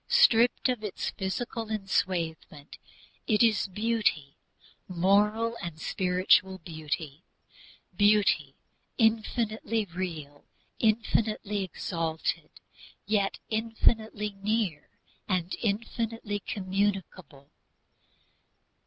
Stripped of its physical enswathement it is Beauty, moral and spiritual Beauty, Beauty infinitely real, infinitely exalted, yet infinitely near and infinitely communicable.